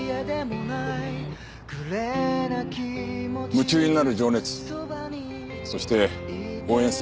夢中になる情熱そして応援する心